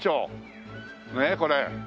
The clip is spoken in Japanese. ねえこれ。